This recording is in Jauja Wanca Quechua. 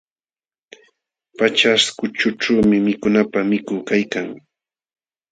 Paćhaśhkućhućhuumi mikunapaq mitu kaykan.